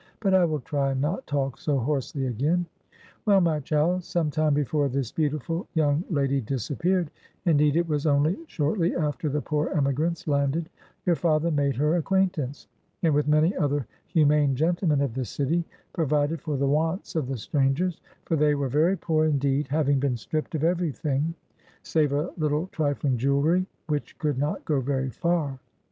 But I will try and not talk so hoarsely again. Well, my child, some time before this beautiful young lady disappeared, indeed it was only shortly after the poor emigrants landed, your father made her acquaintance; and with many other humane gentlemen of the city, provided for the wants of the strangers, for they were very poor indeed, having been stripped of every thing, save a little trifling jewelry, which could not go very far.